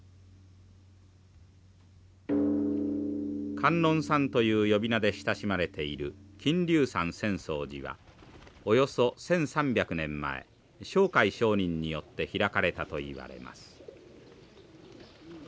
観音さんという呼び名で親しまれている金龍山浅草寺はおよそ１，３００年前勝海上人によって開かれたといわれます。